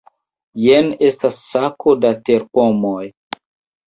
Jen estas sako da terpomoj.